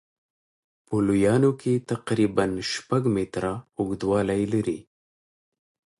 په لویانو کې تقریبا شپږ متره اوږدوالی لري.